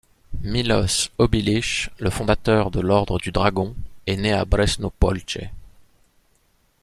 Miloš Obilić, le fondateur de l'Ordre du Dragon, est né à Bresno Polje.